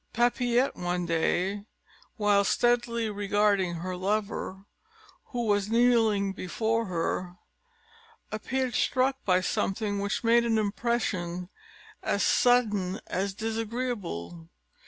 Papillette one day, while steadily regarding her lover, who was kneeling before her, appeared struck by something which made an impression as sudden as disagreeable.